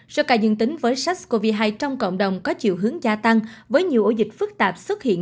số ca dương tính với sars cov hai trong cộng đồng có chiều hướng gia tăng với nhiều ổ dịch phức tạp xuất hiện